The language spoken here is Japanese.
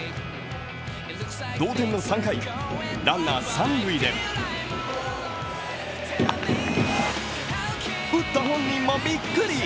同点の３回、ランナー、三塁で打った本人もびっくり。